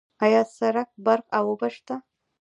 آیا سرک، برق او اوبه شته؟